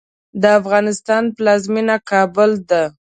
د افغانستان پلازمېنه کابل ده